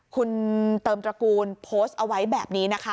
คุณเติมตระกูลโพสต์เอาไว้แบบนี้นะคะ